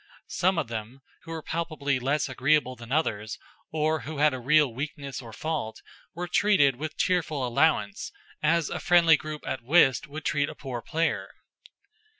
Some of them, who were palpably less agreeable than others or who had a real weakness or fault, were treated with cheerful allowance, as a friendly group at whist would treat a poor player.